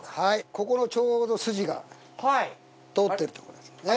ここのちょうど筋が通ってるところですね。